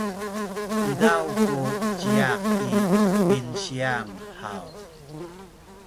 izaw ku ciyak i pinsiyang haw?